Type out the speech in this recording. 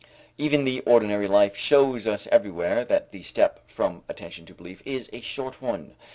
Even the ordinary life shows us everywhere that the step from attention to belief is a short one.